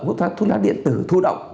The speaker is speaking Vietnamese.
hút thuốc lá điện tử thụ động